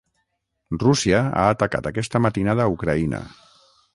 Rússia ha atacat aquesta matinada Ucraïna.